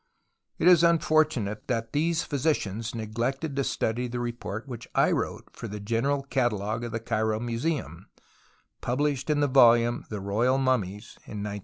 It is unfortunate that these pliysicians neglected to study the report which I wrote for the General Catalogue of the Cairo Museum, published in the volume JVie Koijal Mummies in 1912.